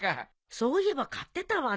そういえば買ってたわね。